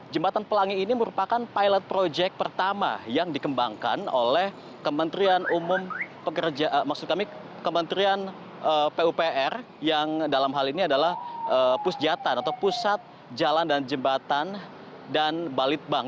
jembatan pelangi ini merupakan pilot project pertama yang dikembangkan oleh kementerian maksud kami kementerian pupr yang dalam hal ini adalah pusjatan atau pusat jalan dan jembatan dan balitbank